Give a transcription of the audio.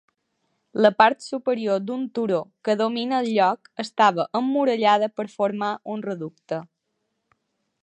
La part superior d'un turó que domina el lloc estava emmurallada per formar un reducte.